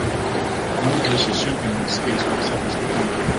One person is jumping on skis while others look on.